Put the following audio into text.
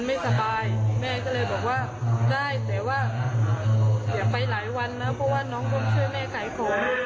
แม่เข้าใจนะไปต่อลูก